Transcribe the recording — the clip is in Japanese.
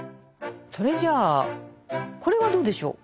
それじゃあこれはどうでしょう。